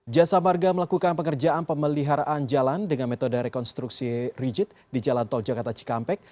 jasa marga melakukan pengerjaan pemeliharaan jalan dengan metode rekonstruksi rigid di jalan tol jakarta cikampek